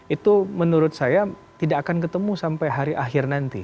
itu menurut saya tidak akan ketemu sampai hari akhir nanti